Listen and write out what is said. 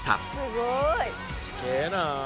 すげえな。